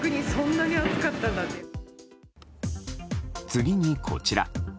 次にこちら。